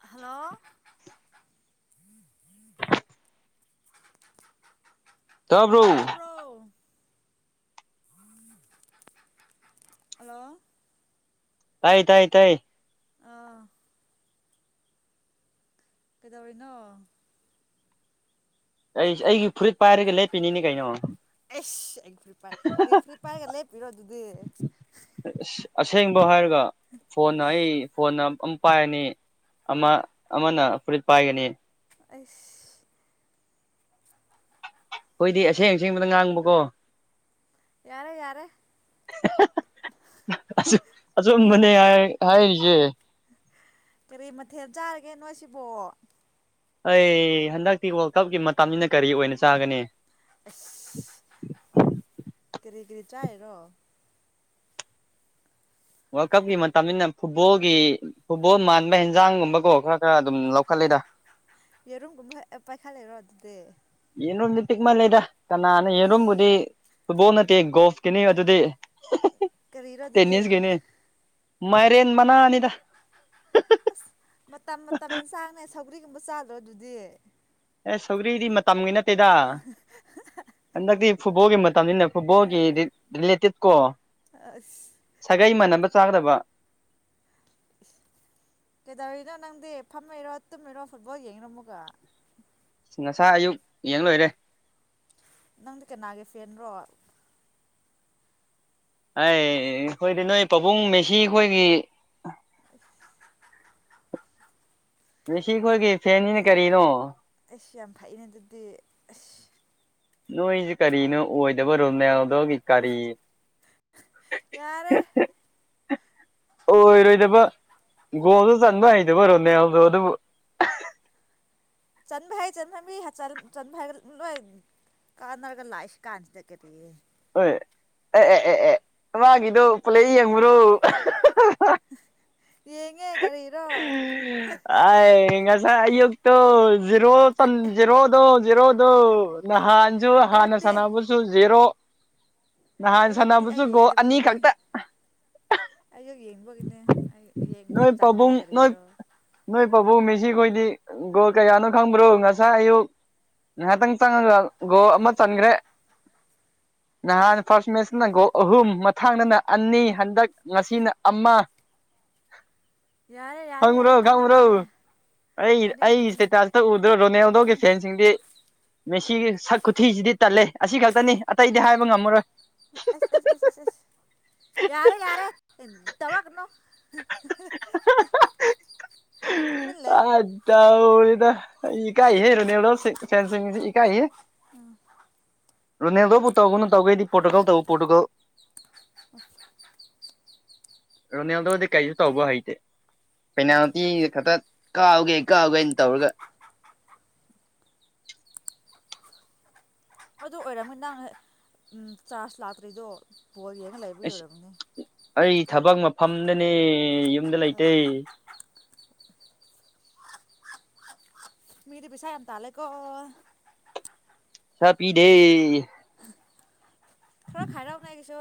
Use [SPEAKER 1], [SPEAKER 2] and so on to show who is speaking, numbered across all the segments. [SPEAKER 1] hello
[SPEAKER 2] ꯇꯥꯕ꯭ꯔꯣ
[SPEAKER 1] ꯇꯥꯕ꯭ꯔꯣ hello
[SPEAKER 2] ꯇꯥꯏꯌꯦ ꯇꯥꯏ ꯇꯥꯏ
[SPEAKER 1] ꯑꯥ ꯀꯩꯗꯧꯔꯤꯅꯣ
[SPEAKER 2] ꯑꯩꯁ ꯑꯩꯒꯤ ꯐꯨꯔꯤꯠ ꯄꯥꯏꯔꯒ ꯂꯦꯞꯄꯤꯅꯤꯅꯦ ꯀꯩꯅꯣ
[SPEAKER 1] ꯑꯩꯁ ꯑꯩꯒꯤ ꯐꯨꯔꯤꯠ ꯄꯥꯏ ꯀꯔꯤ ꯐꯨꯔꯤꯠ ꯄꯥꯢꯔꯒ ꯂꯦꯞꯄꯤꯔꯣ ꯗꯨꯗꯤ
[SPEAKER 2] ꯑꯁ ꯑꯁꯦꯡꯕ ꯍꯥꯏꯔꯒ ꯐꯣꯟꯅ
[SPEAKER 1] ꯏꯁ
[SPEAKER 2] ꯑꯩ ꯐꯣꯟꯅ ꯑꯝ ꯑꯝ ꯄꯥꯏꯅꯤ ꯑꯃ ꯑꯃꯅ ꯐꯨꯔꯤꯠ ꯄꯥꯏꯒꯅꯤ
[SPEAKER 1] ꯑꯩꯁ
[SPEAKER 2] ꯍꯣꯏꯗꯤ ꯑꯁꯦꯡ ꯑꯁꯦꯡꯕꯗ ꯉꯥꯡꯕꯀꯣ
[SPEAKER 1] ꯌꯥꯔꯦ ꯌꯥꯔꯦ
[SPEAKER 2] ꯑꯆꯨꯝ ꯑꯆꯨꯝꯕꯅꯦ ꯍꯥꯏ ꯍꯥꯏꯔꯤꯖꯦ
[SPEAKER 1] ꯀꯔꯤ ꯃꯊꯦꯜ ꯆꯥꯔꯒꯦ ꯅꯣꯏꯁꯤꯕꯣ
[SPEAKER 2] ꯑꯩ ꯍꯟꯗꯛꯇꯤ ꯋꯥꯜ ꯀꯞꯒꯤ ꯃꯇꯝꯅꯤꯅ ꯀꯔꯤ ꯑꯣꯏꯅ ꯆꯥꯒꯅꯤ
[SPEAKER 1] ꯑꯁ ꯀꯔꯤ ꯀꯔꯤ ꯆꯥꯏꯔꯣ
[SPEAKER 2] ꯋꯥꯜ ꯀꯞꯒꯤ ꯃꯇꯝꯅꯤꯅ ꯐꯨꯠꯕꯣꯜꯒꯤ ꯐꯨꯠꯕꯣꯜ ꯃꯥꯟꯕ ꯍꯦꯟꯖꯥꯡꯒꯨꯝꯕꯀꯣ ꯈꯔ ꯈꯔ ꯑꯗꯨꯝ ꯂꯧꯈꯠꯂꯤꯗ
[SPEAKER 1] ꯌꯦꯔꯨꯝꯒꯨꯝꯕ ꯑꯦ ꯄꯥꯏꯈꯠꯂꯦꯔꯣ ꯑꯗꯨꯗꯤ
[SPEAKER 2] ꯌꯦꯟꯔꯨꯝꯗꯤ ꯄꯤꯛꯃꯜꯂꯦꯗ ꯀꯅꯥꯅ
[SPEAKER 1] ꯑꯁ
[SPEAKER 2] ꯌꯦꯔꯨꯝꯕꯨꯗꯤ ꯐꯨꯠꯕꯣꯜ ꯅꯠꯇꯦ ꯒꯣꯜꯐꯀꯤꯅꯤ ꯑꯗꯨꯗꯤ
[SPEAKER 1] ꯀꯔꯤꯔꯣ ꯑꯗꯨꯗꯤ
[SPEAKER 2] ꯇꯦꯅꯤꯁ ꯒꯤꯅꯤ ꯃꯥꯏꯔꯦꯟ ꯃꯅꯥꯅꯤꯗ
[SPEAKER 1] ꯃꯇꯝ ꯃꯇꯝ ꯍꯦꯟꯁꯥꯡꯅꯦ ꯁꯧꯒ꯭ꯔꯤꯒꯨꯝꯕ ꯆꯥꯗ꯭ꯔꯣ ꯑꯗꯨꯗꯤ
[SPEAKER 2] ꯑꯦ ꯁꯧꯒ꯭ꯔꯤꯗꯤ ꯃꯇꯝꯒꯤ ꯅꯠꯇꯦꯗ ꯍꯟꯗꯛꯇꯤ ꯐꯨꯠꯕꯣꯜꯒꯤ ꯃꯇꯝꯅꯤꯅ ꯐꯨꯠꯕꯣꯜꯒꯤ ꯔꯤꯠ ꯗꯤꯂꯦꯇꯦꯠꯀꯣ
[SPEAKER 1] ꯑꯁ
[SPEAKER 2] ꯁꯥꯒꯩ ꯃꯥꯟꯅꯕ ꯆꯥꯒꯗꯕ
[SPEAKER 1] ꯀꯩꯗꯧꯔꯤꯅꯣ ꯅꯪꯗꯤ ꯐꯝꯃꯩꯔꯣ ꯇꯨꯝꯃꯤꯔꯣ ꯐꯨꯠꯕꯣꯜ ꯌꯦꯡꯉꯤꯔꯣ ꯃꯨꯛꯀ
[SPEAKER 2] ꯉꯁꯥꯏ ꯑꯌꯨꯛ ꯌꯦꯡ ꯂꯣꯏꯔꯦ
[SPEAKER 1] ꯅꯪꯗꯤ ꯀꯅꯥꯒꯤ ꯐꯦꯟꯔꯣ
[SPEAKER 2] ꯑꯩ ꯈꯣꯏꯗꯤ ꯅꯣꯏ ꯄꯥꯕꯨꯡ ꯃꯦꯁꯤ ꯈꯣꯏꯒꯤ
[SPEAKER 1] [unintelligible]
[SPEAKER 2] ꯃꯦꯁꯤ ꯑꯩꯈꯣꯏꯒꯤ ꯐꯦꯟꯅꯤꯅꯦ ꯀꯔꯤꯅꯣ
[SPEAKER 1] ꯏꯁ ꯌꯥꯝ ꯐꯩꯩꯅꯦ ꯑꯗꯨꯗꯤ ꯑꯁ
[SPEAKER 2] ꯅꯣꯏꯁꯦ ꯀꯔꯤꯅꯣ ꯑꯣꯏꯗꯕꯔꯣ ꯔꯣꯅꯥꯜꯗꯣꯒꯤ ꯀꯔꯤ
[SPEAKER 1] ꯌꯥꯔꯦ
[SPEAKER 2] ꯑꯣꯏꯔꯣꯏꯗꯕ ꯒꯣꯜꯗꯣ ꯆꯟꯕ ꯍꯩꯇꯕ ꯔꯣꯅꯦꯜꯗꯣ ꯗꯨꯕꯨ
[SPEAKER 1] ꯆꯟꯕꯥ ꯍꯩ ꯆꯟꯕꯥ ꯍꯩ ꯃꯤ ꯆꯟꯕ ꯍꯩ ꯅꯣꯏ ꯀꯥꯟꯅꯔꯒ ꯂꯥꯏ ꯏꯁ ꯀꯥꯟꯁꯤꯗ ꯒꯦꯇꯦ
[SPEAKER 2] ꯍꯣꯏ ꯑꯦ ꯑꯦ ꯑꯦ ꯑꯦ ꯃꯥꯒꯤꯗꯣ ꯄꯨꯂꯩ ꯌꯦꯡꯕꯔꯣ
[SPEAKER 1] ꯌꯦꯡꯉꯦ ꯀꯔꯤꯔꯣ
[SPEAKER 2] ꯑꯥꯏ ꯉꯁꯥꯏ ꯑꯌꯨꯛ ꯇꯣ ꯖꯤꯔꯣ ꯆꯟ ꯖꯤꯔꯣꯗꯣ ꯖꯤꯔꯣꯗꯣ ꯅꯍꯥꯟꯁꯨ ꯍꯥꯟꯅ
[SPEAKER 1] ꯑꯌꯨꯛꯇꯤ
[SPEAKER 2] ꯁꯅꯥꯕꯨꯁꯨ ꯁꯨ ꯖꯦꯔꯣ ꯅꯍꯥꯟ
[SPEAKER 1] ꯑꯌꯨꯛꯇꯤ
[SPEAKER 2] ꯁꯥꯟꯅꯕꯁꯨ ꯒꯣꯜ ꯑꯅꯤ ꯈꯛꯇ
[SPEAKER 1] ꯑꯩꯁꯨ ꯌꯦꯡꯕꯒꯤꯅꯦ ꯌꯦꯡꯅꯤ
[SPEAKER 2] ꯅꯣꯏ
[SPEAKER 1] ꯆꯟꯒꯅꯤ
[SPEAKER 2] ꯄꯥꯕꯨꯡ ꯅꯣꯏ
[SPEAKER 1] ꯀꯔꯤꯔꯣ
[SPEAKER 2] ꯅꯣꯏ ꯄꯥꯕꯨꯡ ꯃꯤꯁꯤ ꯈꯣꯏꯗꯤ ꯒꯣꯜ ꯀꯌꯥꯅꯣ ꯈꯪꯕ꯭ꯔꯣ ꯉꯁꯥꯏ ꯑꯌꯨꯛ ꯉꯍꯥꯛꯇꯪ ꯆꯪꯉꯒ ꯒꯣꯜ ꯑꯃ ꯆꯟꯈ꯭ꯔꯦ ꯅꯍꯥꯟ ꯐꯥꯔꯁ ꯃꯦꯠꯁꯇꯥꯅ ꯒꯣ ꯑꯍꯨꯝ ꯃꯊꯥꯡꯗꯅ ꯑꯅꯤ ꯍꯟꯗꯛ ꯉꯁꯤꯅ ꯑꯃ
[SPEAKER 1] ꯌꯥꯔꯦ ꯌꯥꯔꯦ ꯌꯥꯔꯦ
[SPEAKER 2] ꯈꯪꯕ꯭ꯔꯣ ꯈꯪꯕ꯭ꯔꯣ
[SPEAKER 1] ꯇꯅꯤꯡꯗ꯭ꯔꯦ
[SPEAKER 2] ꯑꯩ ꯑꯩ ꯏꯁꯇꯦꯇꯥꯁꯇ ꯎꯗ꯭ꯔꯣ ꯔꯣꯅꯥꯜꯗꯣꯒꯤ ꯐꯦꯟꯁꯤꯡꯗꯤ ꯃꯦꯁꯤꯒꯤ ꯁꯛ ꯈꯨꯊꯤꯁꯤꯗꯤ ꯇꯜꯂꯦ ꯑꯁꯤ ꯈꯛꯇꯅꯤ ꯑꯇꯩꯗꯤ ꯍꯥꯏꯕ ꯉꯝꯃꯔꯣꯏ
[SPEAKER 1] ꯑꯁ ꯑꯁ ꯑꯁ ꯑꯁ ꯑꯁ ꯌꯥꯔꯦ ꯌꯥꯔꯦ ꯑꯩ ꯇꯧꯔꯛꯀꯅꯨ ꯇꯨꯃꯤꯟ ꯂꯩ
[SPEAKER 2] ꯑꯥ ꯇꯧꯔꯦꯗꯥ ꯑꯩ ꯏꯀꯥꯏ ꯍꯦ ꯔꯣꯅꯦꯜꯗꯣ ꯁꯤ ꯔꯣꯅꯦꯜꯗꯣ ꯐꯦꯟ ꯁꯤ ꯏꯀꯥꯏ ꯍꯦ
[SPEAKER 1] ꯎꯝ
[SPEAKER 2] ꯔꯣꯅꯦꯜꯗꯣꯕꯨ ꯇꯧꯒꯅꯨ ꯇꯧꯒꯦꯗꯤ ꯄꯣꯔꯇꯨꯒꯥꯜ ꯇꯧ ꯄꯣꯔꯇꯨꯒꯜ
[SPEAKER 1] ꯑꯁ
[SPEAKER 2] ꯔꯣꯅꯦꯜꯗꯣꯗꯤ ꯀꯩꯁꯨ ꯇꯧꯕ ꯍꯩꯇꯦ ꯄꯦꯅꯥꯜꯇꯤ ꯈꯛꯇ ꯀꯥꯎꯒꯦ ꯀꯥꯎꯒꯦꯅ ꯇꯧꯔꯒ
[SPEAKER 1] ꯑꯗꯨ ꯑꯣꯏꯔꯝꯅꯤ ꯅꯪ ꯆꯥꯔꯖ ꯂꯥꯛꯇ꯭ꯔꯤꯗꯣ ꯕꯣꯜ ꯌꯦꯡꯉ ꯂꯩꯕꯒꯤ
[SPEAKER 2] ꯑꯁ
[SPEAKER 1] ꯑꯣꯏꯔꯝꯃꯅꯦ
[SPEAKER 2] ꯑꯩ ꯊꯕꯛ ꯃꯐꯝꯗꯅꯦ ꯌꯨꯝꯗ ꯂꯩꯇꯦ
[SPEAKER 1] ꯃꯤꯗꯤ ꯄꯩꯁꯥ ꯌꯥꯝ ꯇꯜꯂꯦꯀꯣ
[SPEAKER 2] ꯄꯩꯁꯥ ꯄꯤꯗꯦ
[SPEAKER 1] ꯈꯔꯥ ꯈꯥꯏꯔꯛꯎꯅꯦ ꯑꯩꯒꯤꯁꯨ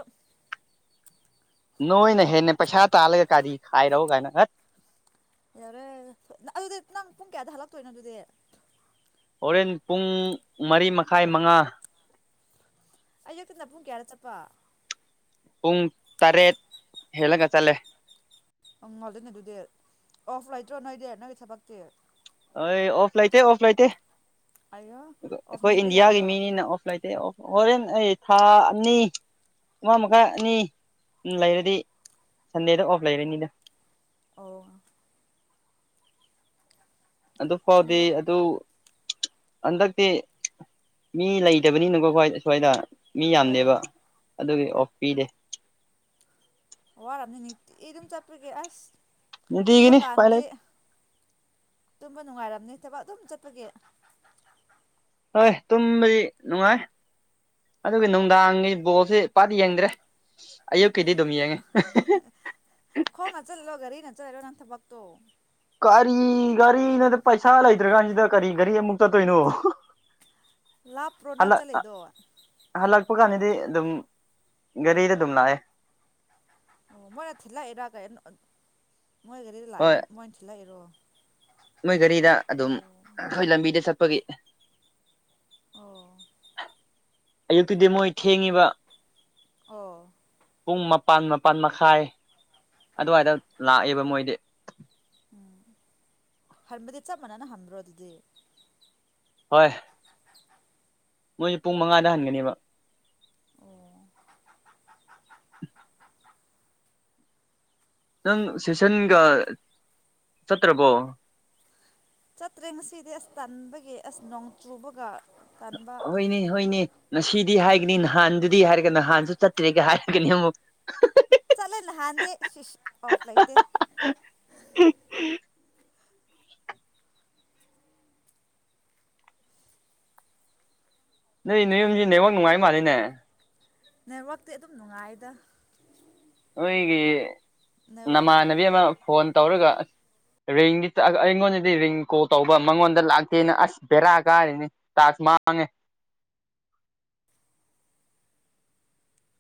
[SPEAKER 2] ꯅꯣꯏꯅ ꯍꯦꯟꯅ ꯄꯩꯁꯥ ꯇꯥꯜꯂꯒ ꯀꯥꯔꯤ ꯈꯥꯏꯔꯛꯎ ꯀꯥꯏꯅ ꯍꯩꯠ
[SPEAKER 1] ꯌꯥꯔꯦ ꯑꯗꯨꯗꯤ ꯅꯪ ꯄꯨꯡ ꯀꯌꯥꯗ ꯍꯜꯂꯛꯇꯣꯏꯅꯣ ꯑꯗꯨꯗꯤ
[SPEAKER 2] ꯍꯣꯔꯦꯟ ꯄꯨꯡ ꯃꯔꯤ ꯃꯈꯥꯏ ꯃꯉꯥ
[SPEAKER 1] ꯑꯨꯛꯇꯅ ꯄꯨꯡ ꯀꯌꯥꯗ ꯆꯠꯄ
[SPEAKER 2] ꯄꯨꯡ ꯇꯔꯦꯠ ꯍꯦꯜꯂꯒ ꯆꯠꯂꯦ
[SPEAKER 1] ꯎꯪ ꯉꯜꯂꯦꯅꯦ ꯑꯗꯨꯗꯤ ꯑꯣꯐ ꯂꯩꯇ꯭ꯔꯣ ꯅꯣꯏꯗꯤ ꯅꯣꯏꯒꯤ ꯊꯕꯛꯇꯤ
[SPEAKER 2] ꯑꯣꯏ ꯑꯣꯐ ꯂꯩꯇꯦ ꯑꯣꯐ ꯂꯩꯇꯦ
[SPEAKER 1] ꯑꯩꯌꯥ ꯑꯣꯐ
[SPEAKER 2] ꯑꯩꯈꯣꯏ
[SPEAKER 1] ꯅꯤꯕ
[SPEAKER 2] ꯏꯟꯗꯤꯌꯥꯒꯤ
[SPEAKER 1] ꯌꯥꯗ꯭ꯔꯣ
[SPEAKER 2] ꯃꯤꯅꯤꯅ ꯑꯣꯐ ꯂꯩꯇꯦ ꯑꯣꯐ ꯍꯣꯔꯦꯟ ꯑꯩ ꯊꯥ ꯑꯅꯤ ꯑꯃ ꯃꯈꯥꯏ ꯑꯅꯤ ꯂꯩꯔꯗꯤ ꯁꯟꯗꯦꯗ ꯑꯣꯐ ꯂꯩꯔꯅꯤꯗ
[SPEAKER 1] ꯑꯣ
[SPEAKER 2] ꯑꯗꯨ ꯐꯥꯎꯗꯤ
[SPEAKER 1] ꯁꯅꯩ
[SPEAKER 2] ꯑꯗꯨ ꯍꯟꯗꯛꯇꯤ ꯃꯤ ꯂꯩꯇꯕꯅꯤꯅꯀꯣ ꯈꯣꯏ ꯁ꯭ꯋꯥꯏꯗ ꯃꯤ
[SPEAKER 1] ꯑꯣ
[SPEAKER 2] ꯌꯥꯝꯗꯦꯕ ꯑꯗꯨꯒꯤ ꯑꯣꯐ ꯄꯤꯗꯦ
[SPEAKER 1] ꯋꯥꯔꯝꯅꯤ ꯅꯨꯡꯇꯤꯒꯤ ꯑꯗꯨꯝ ꯆꯠꯄꯒꯦ ꯑꯁ ꯇꯨꯝꯕ
[SPEAKER 2] ꯅꯨꯡꯇꯤꯒꯤꯅꯤ ꯎꯄꯥꯏ
[SPEAKER 1] ꯀꯥꯟꯗꯤ
[SPEAKER 2] ꯂꯩꯇꯦ
[SPEAKER 1] ꯇꯨꯝꯕ ꯅꯨꯡꯉꯥꯏꯔꯝꯅꯦ ꯊꯕꯛ ꯑꯗꯨꯝ ꯆꯠꯄꯒꯤ
[SPEAKER 2] ꯍꯣꯏ ꯇꯨꯝꯕꯗꯤ ꯅꯨꯡꯉꯥꯏ ꯑꯗꯨꯒ ꯅꯨꯡꯗꯥꯡꯒꯤ ꯕꯣꯜꯁꯦ ꯄꯥꯠ ꯌꯦꯡꯗ꯭ꯔꯦ ꯑꯌꯨꯛꯀꯤꯗꯤ ꯑꯗꯨꯝ ꯌꯦꯡꯉꯦ
[SPEAKER 1] ꯈꯣꯡꯅ ꯆꯠꯂꯣ ꯒꯥꯔꯤꯅ ꯆꯠꯂꯤꯔꯣ ꯅꯪ ꯊꯕꯛꯇꯣ
[SPEAKER 2] ꯀꯔꯤ ꯒꯥꯔꯤꯅꯣꯗ ꯄꯩꯁꯥ ꯂꯩꯇ꯭ꯔꯀꯥꯟꯁꯤꯗ ꯀꯔꯤ ꯒꯥꯔꯤ ꯑꯃꯨꯛ ꯆꯠꯇꯣꯏꯅꯣ
[SPEAKER 1] ꯂꯥꯞ꯭ꯔꯣ ꯅꯪ
[SPEAKER 2] ꯍꯜꯂꯛ
[SPEAKER 1] ꯆꯠꯂꯤꯗꯣ
[SPEAKER 2] ꯍꯜꯂꯛꯄ ꯀꯥꯟꯗꯗꯤ ꯑꯗꯨꯝ ꯒꯥꯔꯤꯗ ꯑꯗꯨꯝ ꯂꯥꯛꯑꯦ
[SPEAKER 1] ꯑꯣ ꯃꯣꯏꯅ ꯊꯤꯜꯂꯛꯑꯦꯔ ꯀ ꯃꯣꯏ ꯒꯥꯔꯤꯗꯥ
[SPEAKER 2] ꯍꯣꯏ
[SPEAKER 1] ꯂꯥꯛꯑꯦꯔ ꯃꯣꯏꯅ ꯊꯤꯜꯂꯛꯑꯦꯔꯣ
[SPEAKER 2] ꯃꯣꯏ ꯒꯥꯔꯤꯗ ꯑꯗꯨꯝ ꯑꯩꯈꯣꯏ ꯂꯝꯕꯤꯗ ꯆꯠꯄꯒꯤ
[SPEAKER 1] ꯑꯣ
[SPEAKER 2] ꯑꯌꯨꯛꯇꯨꯗꯤ ꯃꯣꯏ ꯊꯦꯡꯉꯤꯕ
[SPEAKER 1] ꯑꯣ
[SPEAKER 2] ꯄꯨꯡ ꯃꯄꯥꯟ ꯃꯄꯜ ꯃꯈꯥꯏ ꯑꯗꯨꯋꯥꯏꯗ ꯂꯥꯛꯑꯦꯕ ꯃꯣꯏꯗꯤ
[SPEAKER 1] ꯎꯝ ꯍꯟꯕꯗꯤ ꯆꯞ ꯃꯥꯟꯅꯅ ꯍꯟꯕ꯭ꯔꯣ ꯑꯗꯨꯗꯤ
[SPEAKER 2] ꯍꯣꯏ ꯃꯣꯏꯁꯦ ꯄꯨꯡ ꯃꯉꯥꯗ ꯍꯟꯒꯅꯦꯕ
[SPEAKER 1] ꯑꯣ
[SPEAKER 2] ꯅꯪ ꯁꯦꯁꯟꯒ ꯆꯠꯇ꯭ꯔꯕꯣ
[SPEAKER 1] ꯆꯠꯇ꯭ꯔꯦ ꯉꯁꯤꯗꯤ ꯑꯁ ꯇꯟꯥꯟꯕꯒꯤ ꯑꯁ ꯅꯣꯡ ꯆꯨꯕꯒ ꯇꯟꯕ
[SPEAKER 2] ꯍꯣꯏꯅꯦ ꯍꯣꯏꯅꯦ ꯉꯁꯤꯗꯤ ꯍꯥꯏꯒꯅꯤ ꯅꯍꯥꯟꯗꯨꯗꯤ ꯍꯥꯏꯔꯒ ꯅꯍꯥꯟꯁꯨ ꯆꯠꯇ꯭ꯔꯦꯒ ꯍꯥꯏꯔꯒꯅꯤ ꯑꯃꯨꯛ
[SPEAKER 1] ꯆꯠꯂꯦ ꯂꯍꯥꯟꯗꯤ ꯏꯁ ꯏꯁ ꯑꯣꯐ ꯂꯩꯇꯦ
[SPEAKER 2] ꯅꯣꯏ ꯅꯌꯨꯝꯁꯤ ꯅꯦꯠꯋꯥꯛ ꯅꯨꯡꯉꯥꯏꯕꯥ ꯃꯥꯜꯂꯤꯅꯦ
[SPEAKER 1] ꯅꯦꯠꯋꯥꯛꯇꯤ ꯑꯗꯨꯝ ꯅꯨꯡꯉꯥꯏꯗ
[SPEAKER 2] ꯅꯣꯏꯒꯤ
[SPEAKER 1] ꯅꯦꯠꯋꯥꯛ
[SPEAKER 2] ꯅꯃꯥꯟꯅꯕꯤ ꯑꯃ ꯐꯣꯟ ꯇꯧꯔꯒ ꯑꯁ ꯔꯤꯡꯗꯤ ꯆꯠꯂꯒꯥ ꯑꯩꯉꯣꯟꯗꯗꯤ ꯔꯤꯡ ꯀꯣꯜ ꯇꯧꯕ ꯃꯉꯣꯟꯗ ꯂꯥꯛꯇꯦꯅ ꯑꯁ ꯕꯦꯔꯥ ꯀꯥꯔꯤꯅꯤ ꯇꯥ꯭ꯁꯛ ꯃꯥꯡꯉꯦ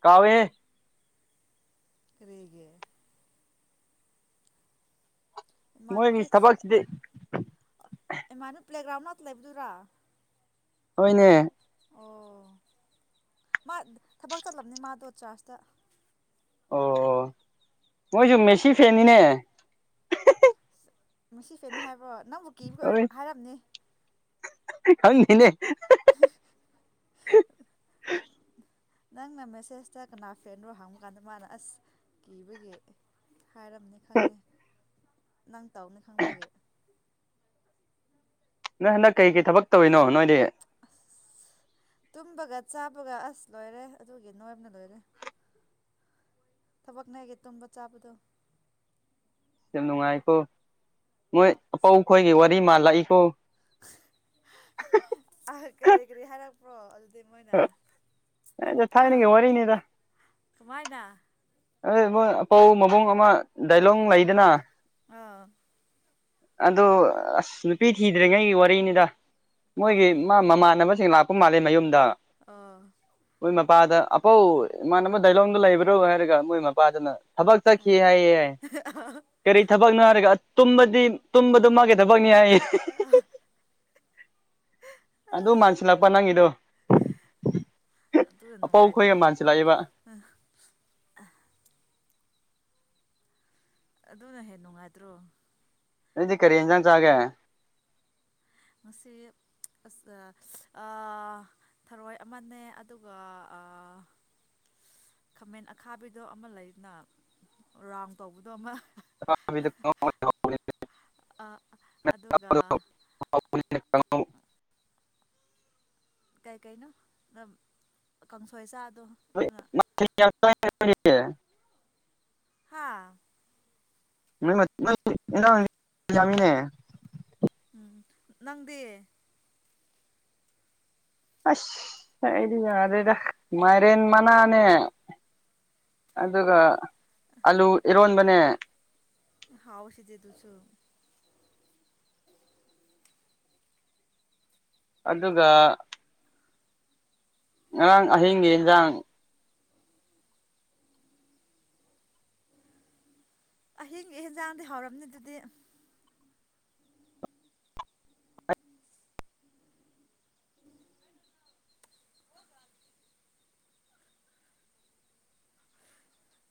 [SPEAKER 2] ꯀꯥꯎꯋꯦ
[SPEAKER 1] ꯀꯔꯤꯒꯤ
[SPEAKER 2] ꯃꯣꯏꯒꯤ
[SPEAKER 1] ꯏꯃꯥꯟꯕꯤ
[SPEAKER 2] ꯊꯕꯛꯁꯤꯗꯤ
[SPEAKER 1] ꯏꯃꯥꯟꯕꯤ ꯄ꯭ꯂꯦꯒ꯭ꯔꯥꯎꯟ ꯃꯅꯥꯛꯇꯥ ꯂꯩꯕꯗꯨꯔꯥ
[SPEAKER 2] ꯍꯣꯢꯅꯦ
[SPEAKER 1] ꯑꯣ ꯃꯥ ꯊꯕꯛ ꯆꯠꯂꯝꯕꯅꯤ ꯃꯥꯗꯣ ꯆꯥꯔ꯭ꯁꯇ
[SPEAKER 2] ꯑꯣ ꯃꯣꯏꯁꯨ ꯃꯦꯁꯤ ꯐꯦꯅꯤꯅꯦ
[SPEAKER 1] ꯃꯦꯁꯤ ꯐꯦꯟꯅꯤ ꯍꯥꯏꯕ꯭ꯔꯣ ꯅꯪꯕꯨ ꯀꯤꯕꯥ ꯑꯣꯏꯔꯥ
[SPEAKER 2] ꯍꯣꯏ
[SPEAKER 1] ꯍꯥꯏꯔꯝꯅꯤ
[SPEAKER 2] ꯈꯪꯗꯦꯅꯦ
[SPEAKER 1] [unintelligible]
[SPEAKER 2] [unintelligible]
[SPEAKER 1] ꯅꯪꯅ ꯃꯦꯁꯦꯁꯇ ꯀꯅꯥ ꯐꯦꯟꯔꯣ ꯍꯪꯕ ꯀꯥꯟꯗ ꯃꯥꯅ ꯑꯁ ꯀꯤꯕꯒꯤ ꯍꯥꯏꯔꯝꯅꯤ ꯈꯪꯉꯦ ꯅꯪ ꯇꯥꯎꯅꯤ ꯈꯪꯕꯒꯤ
[SPEAKER 2] ꯅꯣꯏ ꯍꯟꯗꯛ ꯀꯩꯀꯩ ꯊꯕꯛ ꯇꯧꯔꯤꯅꯣ ꯅꯣꯏꯗꯤ
[SPEAKER 1] ꯑꯁ ꯇꯨꯝꯕꯒ ꯆꯥꯕꯒ ꯑꯁ ꯂꯣꯏꯔꯦ ꯑꯗꯨꯒꯤ ꯅꯣꯏꯕꯅ ꯂꯣꯏꯔꯦ ꯊꯕꯛꯅꯦ ꯑꯦꯒꯤ ꯇꯨꯝꯕ ꯆꯥꯕꯗꯣ
[SPEAKER 2] ꯌꯥꯝ ꯅꯨꯡꯉꯥꯏꯀꯣ ꯅꯣꯏ ꯑꯄꯧ ꯈꯣꯏꯒꯤ ꯋꯥꯔꯤ ꯃꯥꯜꯂꯛꯏꯀꯣ
[SPEAKER 1] ꯑ ꯀꯔꯤ ꯀꯔꯤ ꯍꯥꯏꯔꯛꯄ꯭ꯔꯣ ꯑꯗꯨꯗꯤ ꯃꯣꯏꯅ
[SPEAKER 2] ꯑꯦ ꯊꯥꯏꯅ ꯒꯤ ꯋꯥꯔꯤꯅꯤꯗ
[SPEAKER 1] ꯀꯃꯥꯏꯗ
[SPEAKER 2] ꯑꯩ ꯃꯣꯏ ꯑꯄꯧ ꯃꯕꯨꯡ ꯑꯃ ꯗꯥꯏꯂꯣꯡ ꯂꯩꯗꯅ
[SPEAKER 1] ꯑꯥ
[SPEAKER 2] ꯑꯗꯨ ꯑꯁ ꯅꯨꯄꯤ ꯊꯤꯗ꯭ꯔꯤꯉꯩꯒꯤ ꯋꯥꯔꯤꯅꯤꯗ ꯃꯣꯏꯒꯤ
[SPEAKER 1] ꯑꯣ
[SPEAKER 2] ꯃꯥ ꯃꯃꯥꯟꯅꯕꯁꯤꯡ ꯂꯥꯞ__ ꯈꯣꯏ ꯃꯥꯗꯤ ꯃꯌꯨꯝꯗ
[SPEAKER 1] ꯑꯥ
[SPEAKER 2] ꯃꯣꯏ ꯃꯄꯥꯗ ꯑꯄꯧ ꯏꯃꯥꯟꯅꯕ ꯗꯥꯏꯂꯣꯡꯗ ꯂꯩꯕ꯭ꯔꯣ ꯍꯥꯏꯔꯒ ꯃꯣꯏ ꯃꯄꯥꯗꯅ ꯊꯕꯛ ꯆꯠꯈꯤꯌꯦ ꯍꯥꯏꯑꯦ ꯌꯦ ꯀꯔꯤ ꯊꯕꯛꯅꯣ ꯍꯥꯏꯔꯒ ꯇꯨꯝꯕꯗꯤ ꯇꯨꯝꯕꯗꯣ ꯃꯥꯒꯤ ꯊꯕꯛꯅꯤ ꯍꯥꯏꯌꯦ
[SPEAKER 1] [unintelligible]
[SPEAKER 2] ꯑꯗꯨ ꯃꯥꯟꯁꯤꯜꯂꯛꯄ ꯅꯪꯒꯤꯗꯣ ꯑꯄꯧ ꯈꯣꯏꯒ ꯃꯥꯟꯁꯤꯜꯂꯛꯑꯦꯕ
[SPEAKER 1] ꯑꯥ ꯑꯗꯨꯅ ꯍꯦꯟ ꯅꯨꯡꯉꯥꯏꯇ꯭ꯔꯣ
[SPEAKER 2] ꯅꯪꯗꯤ ꯀꯔꯤ ꯍꯦꯟꯖꯥꯡ ꯆꯥꯒꯦ
[SPEAKER 1] ꯉꯁꯤꯗꯤ ꯑꯁ ꯑꯥ ꯊꯔꯣꯏ ꯑꯃꯅꯦ ꯑꯗꯨꯒ ꯑꯥ ꯈꯥꯃꯦꯟ ꯑꯈꯥꯕꯤꯗꯣ ꯑꯃ ꯂꯩꯗꯅ ꯔꯥꯎꯟ ꯇꯧꯕꯗꯣ ꯑꯃ
[SPEAKER 2] [unintelligible]
[SPEAKER 1] ꯑꯥ ꯑꯗꯨꯒ ꯀꯩꯀꯩꯅꯣ ꯗꯝ ꯀꯥꯡꯁꯣꯏꯆꯥꯗꯣ
[SPEAKER 2] [unintelligible]
[SPEAKER 1] ꯍꯥꯥ
[SPEAKER 2] [unintelligible]
[SPEAKER 1] ꯎꯝ ꯅꯪꯗꯤ
[SPEAKER 2] ꯑꯁ ꯑꯩꯗꯤ ꯌꯥꯔꯦꯗ ꯃꯥꯏꯔꯦꯟ ꯃꯅꯥꯅꯦ ꯑꯗꯨꯒ ꯑꯂꯨ ꯏꯔꯣꯟꯕꯅꯦ
[SPEAKER 1] ꯍꯥꯎꯋꯤꯁꯤꯗꯤ ꯗꯨꯁꯨ
[SPEAKER 2] ꯑꯗꯨꯒ ꯉꯔꯥꯡ ꯑꯍꯤꯡꯒꯤ ꯏꯟꯖꯥꯡ
[SPEAKER 1] ꯑꯍꯤꯡꯒꯤ ꯍꯦꯟꯖꯥꯡꯗꯤ ꯍꯥꯎꯔꯝꯅꯤ ꯗꯨꯗꯤ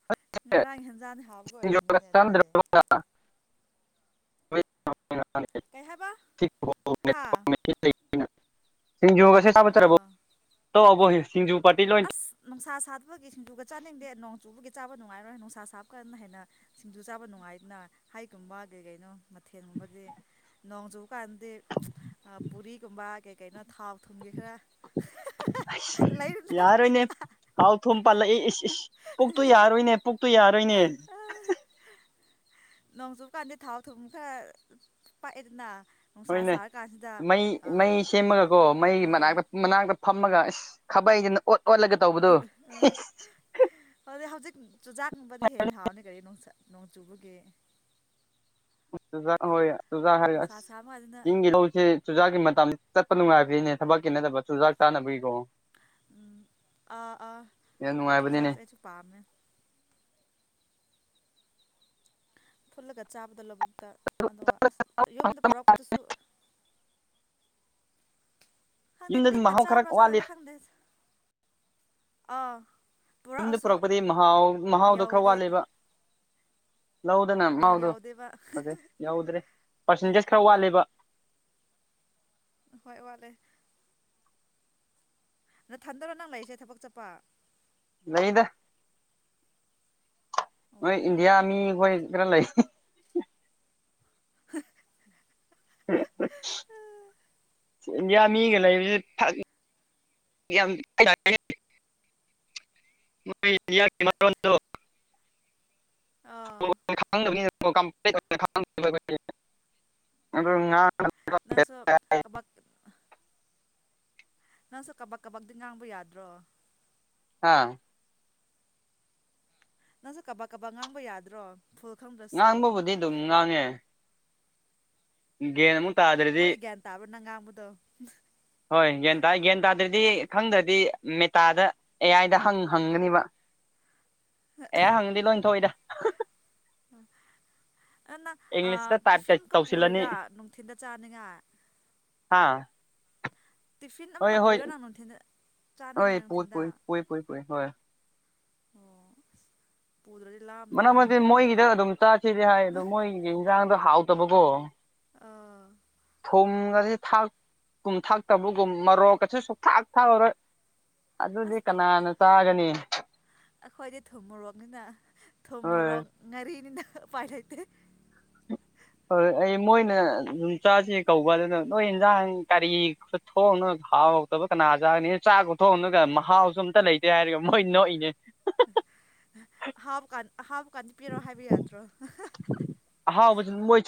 [SPEAKER 2] [unintelligible] [unintelligible] ꯑꯩꯅꯥ
[SPEAKER 1] ꯉꯔꯥꯡꯒꯤ ꯍꯦꯟꯖꯥꯡꯗꯤ ꯍꯥꯎꯕꯒ ꯑꯣꯏꯔꯝꯅꯤꯅꯦ ꯑꯗꯨꯗꯤ ꯀꯩ ꯍꯥꯏꯕ ꯍꯥ
[SPEAKER 2] ꯁꯤꯡꯖꯨꯒꯁꯦ ꯁꯥꯥꯕꯠꯇ꯭ꯔꯕꯣ
[SPEAKER 1] ꯑꯥ
[SPEAKER 2] ꯇꯣꯛꯑꯕꯣ ꯁꯤꯡꯖꯨ ꯄꯥꯔꯇꯤ ꯂꯣꯠ__
[SPEAKER 1] ꯅꯨꯡꯁꯥ ꯁꯥꯗꯕꯒꯤ ꯁꯤꯡꯖꯨꯒ ꯆꯥꯅꯤꯡꯗꯦ ꯅꯣꯡ ꯆꯨꯕꯒꯤ ꯆꯥꯕ ꯅꯨꯡꯉꯥꯏꯔꯣꯏ ꯅꯨꯡꯁꯥ ꯁꯥꯕ ꯀꯥꯟꯗ ꯍꯦꯟꯅ ꯁꯤꯡꯖꯨ ꯆꯥꯕ ꯅꯨꯡꯉꯥꯏꯗꯅ ꯍꯩꯒꯨꯝꯕ ꯒꯩ ꯒꯩꯅꯣ ꯃꯊꯦꯜ ꯒꯨꯝꯕꯗꯤ ꯅꯣꯡ ꯆꯨꯕ ꯀꯥꯟꯗꯤ ꯑꯥ ꯄꯨꯔꯤꯒꯨꯝꯕ ꯀꯩ ꯀꯩꯅꯣ ꯊꯥꯎ ꯊꯨꯝꯒꯤ ꯈꯔꯥ
[SPEAKER 2] ꯑꯁ ꯌꯥꯔꯣꯏꯅꯦ ꯍꯥꯎ ꯊꯨꯝ ꯄꯥꯜꯂꯛꯏ ꯏꯁ ꯏꯁ ꯄꯨꯛꯇꯨ ꯌꯥꯔꯣꯏꯅꯦ ꯄꯨꯛꯇꯨ ꯌꯥꯔꯣꯏꯅꯦ
[SPEAKER 1] ꯅꯣꯡꯆꯨꯕ ꯀꯥꯟꯗ ꯊꯥꯎ ꯊꯨꯝ ꯈꯔ ꯄꯥꯛꯑꯦꯗꯅ ꯅꯨꯡꯁꯥ
[SPEAKER 2] ꯍꯣꯏꯅꯦ
[SPEAKER 1] ꯁꯥꯔꯀꯥꯟꯁꯤꯗ
[SPEAKER 2] ꯃꯩ ꯃꯩ
[SPEAKER 1] ꯑꯥ
[SPEAKER 2] ꯁꯦꯝꯃꯒꯀꯣ ꯃꯩ
[SPEAKER 1] ꯑꯥ
[SPEAKER 2] ꯃꯅꯥꯛꯇ ꯃꯅꯥꯛꯇ ꯐꯝꯃꯒ ꯑꯁ ꯈꯥꯕꯩꯖꯤꯅ ꯑꯣꯠ ꯑꯣꯜꯂꯒ
[SPEAKER 1] ꯑꯗꯨ ꯍꯧꯖꯤꯛ ꯆꯨꯖꯥꯛ ꯅꯨꯡꯕꯗꯤ ꯍꯦꯟꯅ ꯍꯥꯎꯅꯤ ꯀꯔꯤ ꯅꯣꯡ ꯆꯥ ꯅꯣꯡ ꯆꯨꯕꯒꯤ
[SPEAKER 2] ꯆꯨꯖꯥꯛ ꯍꯣꯏ ꯁꯨꯖꯥꯛ ꯍꯥꯏꯔꯒ
[SPEAKER 1] ꯅꯨꯡꯁꯥ
[SPEAKER 2] ꯑꯁ
[SPEAKER 1] ꯁꯥꯕ ꯀꯥꯟꯁꯤꯗ
[SPEAKER 2] ꯆꯤꯡꯒꯤ ꯂꯧꯁꯦ ꯆꯨꯖꯥꯛꯀꯤ ꯃꯇꯝ ꯆꯠꯄ ꯅꯨꯡꯉꯥꯏꯕꯅꯤ ꯊꯕꯛꯀꯤ ꯅꯠꯇꯕ ꯆꯨꯖꯥꯛ ꯆꯥꯅꯕꯒꯤꯀꯣ
[SPEAKER 1] ꯑꯥ ꯑꯥ
[SPEAKER 2] ꯌꯥꯝ ꯅꯨꯡꯉꯥꯏꯕꯅꯤꯅꯦ
[SPEAKER 1] ꯆꯨꯖꯥꯛꯁꯦ ꯑꯩꯁꯨ ꯄꯥꯝꯃꯦ ꯐꯨꯠꯂꯒ ꯆꯥꯕꯗꯣ ꯂꯧꯕꯨꯛꯇ ꯑꯗꯨꯒ ꯑꯁ ꯌꯨꯝꯗ ꯄꯨꯔꯛꯄꯗꯨꯁꯨ ꯈꯪꯗꯦ
[SPEAKER 2] ꯌꯨꯝꯗꯗꯤ
[SPEAKER 1] ꯇꯤꯟꯅ
[SPEAKER 2] ꯃꯍꯥꯎ ꯈꯔ
[SPEAKER 1] ꯆꯥꯕ꯭ꯔꯥ
[SPEAKER 2] ꯋꯥꯠꯂꯤ
[SPEAKER 1] ꯆꯥꯗꯕ꯭ꯔꯥ ꯈꯪꯗꯦ ꯑꯥ
[SPEAKER 2] ꯌꯨꯝꯗ
[SPEAKER 1] ꯄꯨꯔꯛꯑꯁꯨ
[SPEAKER 2] ꯄꯨꯔꯛꯄꯗꯤ ꯃꯍꯥꯎ ꯃꯍꯥꯎꯗꯣ ꯈꯔ
[SPEAKER 1] ꯌꯧꯗꯦ
[SPEAKER 2] ꯋꯥꯠꯂꯦꯕ ꯂꯧꯗꯅ
[SPEAKER 1] ꯑꯥ
[SPEAKER 2] ꯃꯥꯎꯗꯣ
[SPEAKER 1] ꯌꯧꯗꯦꯕ
[SPEAKER 2] ꯐꯖꯩ ꯌꯧꯗ꯭ꯔꯦ ꯄꯥꯔꯁꯦꯟꯇꯦꯖ ꯈꯔ ꯋꯥꯠꯂꯦꯕ
[SPEAKER 1] ꯑꯍꯣꯏ ꯋꯥꯠꯂꯦ ꯅꯊꯟꯗꯔꯣ ꯅꯪ ꯂꯩꯔꯤꯁꯦ ꯊꯕꯛ ꯆꯠꯄ
[SPEAKER 2] ꯂꯩꯗ ꯅꯣꯏ ꯏꯟꯗꯤꯌꯥ ꯃꯤ ꯈꯣꯏ ꯈꯔ ꯂꯩ
[SPEAKER 1] [inaudible]
[SPEAKER 2] [inaudible] ꯏꯟꯗꯤꯌꯥ ꯃꯤꯒ ꯂꯩꯕꯁꯤ ꯐꯒꯤ ꯌꯥꯝ ꯇꯥꯌꯦ ꯃꯣꯏ [unintelligible] ꯃꯔꯣꯟꯗꯣ
[SPEAKER 1] ꯑꯥ
[SPEAKER 2] [unintelligible]
[SPEAKER 1] ꯅꯪꯁꯨ ꯊꯕꯛ ꯅꯪꯁꯨ ꯀꯥꯕꯛ ꯀꯥꯕꯛꯗꯤ ꯉꯥꯡꯕ ꯌꯥꯗ꯭ꯔꯣ
[SPEAKER 2] ꯍꯥꯥ
[SPEAKER 1] ꯅꯪꯁꯨ ꯀꯥꯕꯛ ꯀꯥꯕꯛ ꯉꯥꯡꯕ ꯌꯥꯗ꯭ꯔꯣ ꯐꯨꯜ ꯈꯪꯗ꯭ꯔ
[SPEAKER 2] ꯉꯥꯡꯕꯕꯨꯗꯤ ꯗꯨꯝ ꯉꯥꯡꯉꯦ ꯒ꯭ꯌꯥꯟ ꯑꯃꯨꯛ ꯇꯥꯗ꯭ꯔꯗꯤ
[SPEAKER 1] ꯃꯣꯏ ꯒ꯭ꯌꯥꯟ ꯇꯥꯕ꯭ꯔꯣ ꯅꯪ ꯉꯥꯡꯕꯗꯣ
[SPEAKER 2] ꯍꯣꯏ ꯒ꯭ꯌꯥꯟ ꯇꯥꯏ ꯒ꯭ꯌꯥꯟ ꯇꯥꯗ꯭ꯔꯗꯤ ꯈꯪꯗ꯭ꯔꯗꯤ ꯃꯦꯇꯥꯗ ꯑꯦ ꯑꯏ ꯗ ꯍꯪ ꯍꯪꯒꯅꯤꯕ ꯑꯦ ꯑ ꯍꯪꯉꯗꯤ ꯂꯣꯏꯟ ꯊꯣꯛꯏꯗ
[SPEAKER 1] ꯑꯦ ꯅꯪ ꯑ
[SPEAKER 2] ꯏꯪꯂꯤꯁꯇ ꯇꯥꯏꯞ
[SPEAKER 1] ꯇꯤꯐꯤꯟꯀ
[SPEAKER 2] ꯇꯧꯁꯤꯜꯂꯅꯤ
[SPEAKER 1] ꯄꯨꯔꯤꯔ ꯅꯨꯡꯊꯤꯟꯗ ꯆꯥꯅꯤꯡꯉꯥꯏ
[SPEAKER 2] ꯍꯥꯥ
[SPEAKER 1] ꯇꯤꯐꯤꯟ
[SPEAKER 2] ꯍꯣꯏ
[SPEAKER 1] ꯑꯃꯨꯛꯀ
[SPEAKER 2] ꯍꯣꯏ
[SPEAKER 1] ꯄꯨꯏꯔꯣ ꯅꯪ ꯅꯨꯡꯊꯤꯟꯗ ꯆꯥꯅꯤꯡꯉꯥꯏ
[SPEAKER 2] ꯍꯣꯏ ꯄꯨꯏ
[SPEAKER 1] ꯅꯨꯡꯊꯤꯟꯗ
[SPEAKER 2] ꯄꯨꯏ ꯄꯨꯏ ꯄꯨꯏ ꯄꯨꯏ ꯍꯣꯏ
[SPEAKER 1] ꯑꯣ ꯄꯨꯗ꯭ꯔꯗꯤ ꯂꯥꯥꯞ
[SPEAKER 2] ꯃꯔꯛ ꯃꯔꯛꯇꯤ ꯃꯣꯏꯒꯤꯗ ꯑꯗꯨꯝ ꯆꯥꯁꯤꯗꯤ ꯍꯥꯏ ꯑꯗꯨ ꯃꯣꯏꯒꯤ ꯌꯦꯟꯖꯥꯡꯗꯣ ꯍꯥꯎꯇꯕꯀꯣ
[SPEAKER 1] ꯑꯥ
[SPEAKER 2] ꯊꯨꯝꯒꯁꯦ ꯊꯥꯛ ꯀꯨꯝ ꯊꯥꯛꯇꯕꯒꯨꯝ ꯃꯔꯣꯛꯀꯁꯨ ꯁꯨꯛ ꯊꯥꯛ ꯊꯥꯛꯑꯔꯣꯏ ꯑꯗꯨꯗꯤ ꯀꯅꯥꯅ ꯆꯥꯒꯅꯤ
[SPEAKER 1] ꯑꯈꯣꯏꯗꯤ ꯊꯨꯝ ꯃꯣꯔꯣꯛꯅꯤꯅ ꯊꯨꯝ
[SPEAKER 2] ꯍꯣꯏ
[SPEAKER 1] ꯃꯣꯔꯣꯛ ꯉꯥꯔꯤꯅꯤꯅ ꯎꯄꯥꯏ ꯂꯩꯇꯦ
[SPEAKER 2] ꯍꯣꯏ ꯑꯩ ꯃꯣꯏꯅ ꯑꯗꯨꯝ ꯆꯥꯁꯦ ꯀꯧꯕ ꯑꯗꯨꯅ ꯅꯣꯏ ꯏꯟꯖꯥꯡ ꯀꯔꯤ ꯊꯣꯡꯉ ꯍꯥꯎꯇꯕ ꯀꯅꯥ ꯆꯥꯒꯅꯤ ꯆꯥꯛ ꯈꯨꯊꯣꯡꯗꯨꯒ ꯃꯍꯥꯎꯁꯨ ꯑꯝꯇ ꯂꯩꯇꯦ ꯍꯥꯏꯔꯒ ꯃꯣꯏ ꯅꯣꯛꯏꯅꯦ
[SPEAKER 1] ꯑꯍꯥꯎꯕ ꯀꯥꯟ ꯑꯍꯥꯎꯕ ꯀꯥꯟꯗꯤ ꯄꯤꯔꯣ ꯍꯥꯏꯕ ꯌꯥꯗ꯭ꯔꯣ
[SPEAKER 2] ꯑꯍꯥꯎꯕꯖꯨ ꯃꯣꯏ